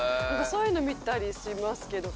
そういうの見たりしますけど。